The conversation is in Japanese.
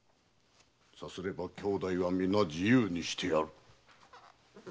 さすれば兄弟は皆自由にしてやる。